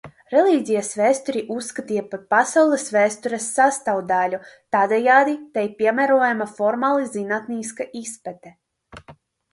Reliģijas vēsturi uzskatīja par pasaules vēstures sastāvdaļu, tādējādi tai piemērojama formāli zinātniska izpēte.